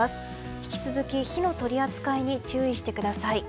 引き続き、火の取り扱いに注意してください。